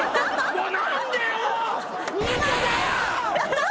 もう！何で！